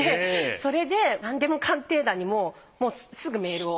それで「なんでも鑑定団」にすぐメールを。